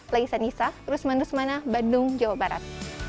laisa nisa rusman rusmana bandung jawa barat